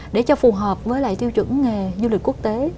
để cho phù hợp với lại tiêu chuẩn nghề du lịch quốc tế